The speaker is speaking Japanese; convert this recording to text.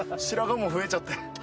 白髪も増えちゃって。